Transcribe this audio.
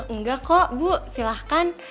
enggak kok bu silahkan